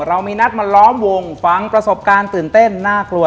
เรามีนัดมาล้อมวงฟังประสบการณ์ตื่นเต้นน่ากลัว